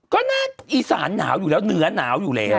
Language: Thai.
ก็น่าอีสานหนาวอยู่แล้วเหนือหนาวอยู่แล้ว